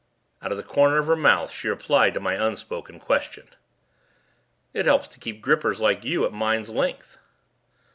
Out of the corner of her mouth she replied to my unspoken question: "It helps to keep grippers like you at mind's length."